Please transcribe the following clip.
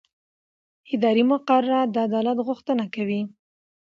اداري مقررات د عدالت غوښتنه کوي.